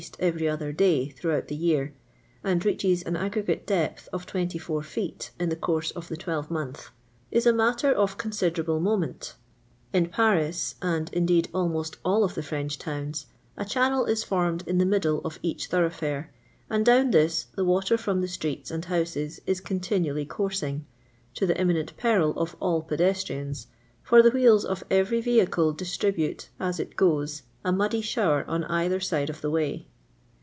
st every other day throughout the year, and reaches an aggregate depth of 24 ffft in the course of the twelvemonth, is a matter of considerable moment In Paris, and indeed al most all of the French towns, a channel is fbnned in the middle of each thorough&re, and down this the water from the streets and houses is con tinually coursing, to the imminent peril of all pedestrians, for the wheels of every Tehicle dis tribute, as it goes, a muddy shower on either side of the way.